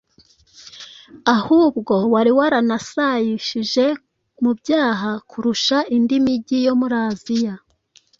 ahubwo wari waranasayishije mu byaha kurusha indi mijyi yo muri Aziya.